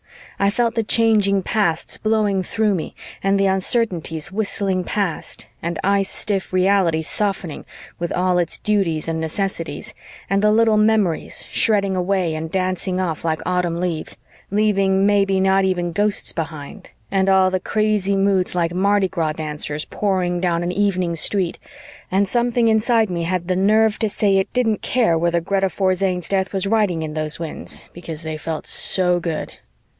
I felt the changing pasts blowing through me, and the uncertainties whistling past, and ice stiff reality softening with all its duties and necessities, and the little memories shredding away and dancing off like autumn leaves, leaving maybe not even ghosts behind, and all the crazy moods like Mardi Gras dancers pouring down an evening street, and something inside me had the nerve to say it didn't care whether Greta Forzane's death was riding in those Winds because they felt so good.